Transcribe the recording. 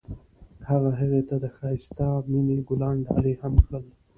هغه هغې ته د ښایسته مینه ګلان ډالۍ هم کړل.